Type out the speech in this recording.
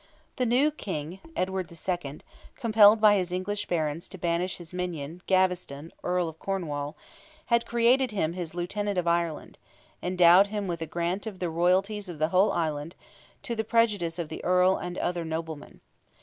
The new King, Edward II., compelled by his English barons to banish his minion, Gaveston, Earl of Cornwall, had created him his lieutenant of Ireland, endowed him with a grant of the royalties of the whole island, to the prejudice of the Earl and other noblemen.